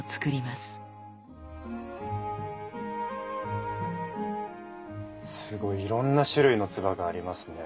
すごいいろんな種類の鐔がありますね。